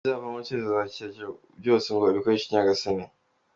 Ikizabivamo cyose azacyakira kuko byose ngo abikesha nyagasani.